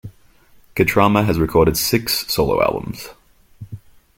Katrama has recorded six solo albums.